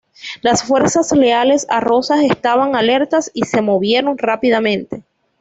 Las fuerzas leales a Rosas estaban alertas y se movieron rápidamente.